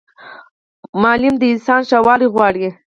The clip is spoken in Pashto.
استاد د انسان ښه والی غواړي.